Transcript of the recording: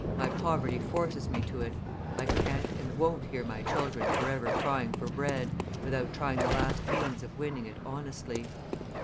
My poverty forces me to it; I can't and won't hear my children forever crying for bread, without trying the last means of winning it honestly.